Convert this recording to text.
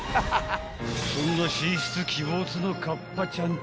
［そんな神出鬼没な河童ちゃんち］